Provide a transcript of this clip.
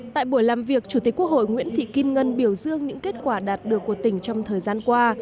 tại buổi làm việc chủ tịch quốc hội nguyễn thị kim ngân biểu dương những kết quả đạt được của tỉnh trong thời gian qua